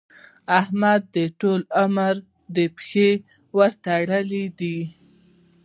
احمد ټول عمر د پيشي ورتړلې دي.